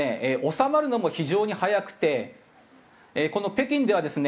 収まるのも非常に早くてこの北京ではですね